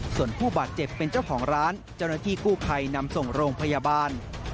ส่วนผู้บาดเจ็บเป็นเจ้าของร้านเจ้าหน้าที่กู้ภัยนำส่งโรงพยาบาล